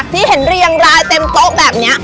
ที่เห็นเรียงรายเต็มโต๊ะแบบนี้